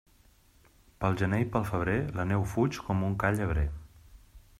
Pel gener i pel febrer, la neu fuig com un ca llebrer.